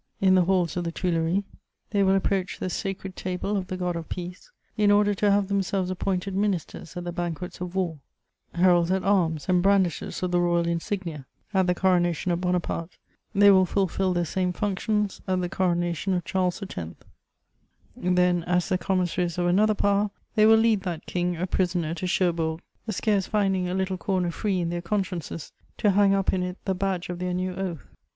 in the halls of the Tuileries; they will approach the sacred table of the God of Peace, in order to have themselves appointed ministers at the banquets of war; heralds at arms and brandishers of the royal insignia at the coronation of Bonaparte, they will fulfil the same functions at the coronation of Charles X.; then, as the commissaries of another power, they will lead that King a prisoner to Cherbourg, scarce finding a little corner free in their consciences to hang up in it the badge of their new oath.